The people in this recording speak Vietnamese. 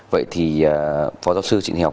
vậy thì phó giáo sư trịnh hẹo